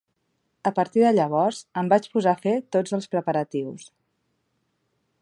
A partir de llavors, em vaig posar a fer tots els preparatius.